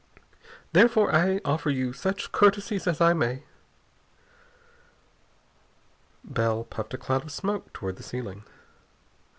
Therefore I offer you such courtesies as I may." Bell puffed a cloud of smoke toward the ceiling.